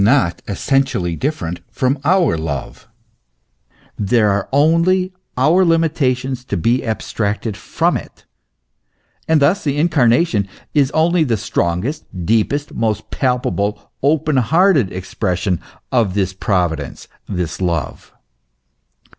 not essentially different from our love, there are only our limitations to be abstracted from it; and thus the Incarnation is only the strongest, deepest, most palpable, open hearted expression of this providence, this love.